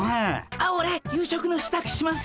あっオレ夕食のしたくします。